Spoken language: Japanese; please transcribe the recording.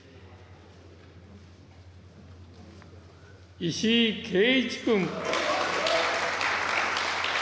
石井啓一君。